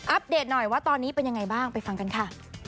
เดตหน่อยว่าตอนนี้เป็นยังไงบ้างไปฟังกันค่ะ